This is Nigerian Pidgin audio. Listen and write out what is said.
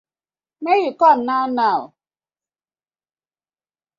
Make you come now now.